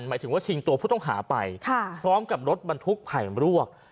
หมายถึงว่าชิงตัวผู้ต้องหาไปพร้อมกับรถบรรทุกไผ่มรวก